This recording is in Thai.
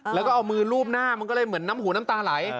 แล้วก็เอามือลูบหน้ามันก็เลยเหมือนน้ำหูน้ำตาไหล